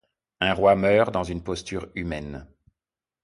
Un roi meurt dans une posture humaine.